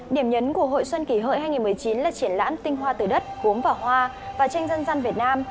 điểm nhấn của hội xuân kỷ hợi hai nghìn một mươi chín là triển lãm tinh hoa tử đất cốm vỏ hoa và tranh dân gian việt nam